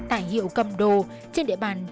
tại hiệu cầm đồ trên địa bàn